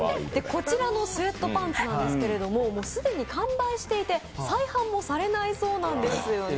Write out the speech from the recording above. こちらのスエットパンツなんですが、既に完売していて再販もされないそうなんですよね。